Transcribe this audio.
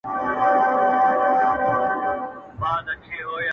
چي شېردل يې کړ د دار تمبې ته پورته-